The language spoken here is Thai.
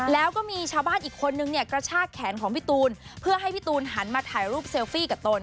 แล้วก็มีชาวบ้านอีกคนนึงเนี่ยกระชากแขนของพี่ตูนเพื่อให้พี่ตูนหันมาถ่ายรูปเซลฟี่กับตน